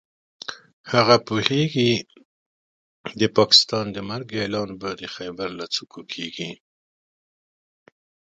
هغه پوهېږي د پاکستان د مرګ اعلان به د خېبر له څوکو کېږي.